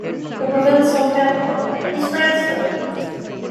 The provincial capital is Franceville.